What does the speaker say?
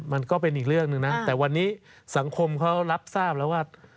มันก็เป็นอีกเรื่องหนึ่งนะแต่วันนี้สังคมเขารับทราบแล้วว่า